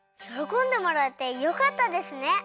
よろこんでもらえてよかったですね。